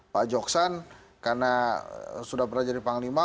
pak joksan karena sudah pernah jadi panglima